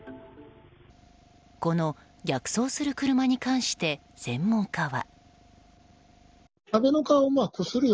この逆走する車に関して専門家は。